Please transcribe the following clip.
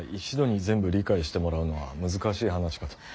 一度に全部理解してもらうのは難しい話かと。